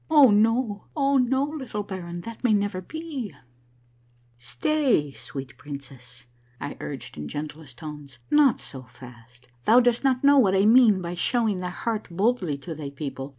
Oh, no, oh, no, little baron, that may never be! " A MAIlVELLOl/S UNDERGROUND JOURNEY " Stay, sweet princess," I urged in gentlest tones, " not so fast. Thou dost not know what I mean by showing thy heart boldly to thy people.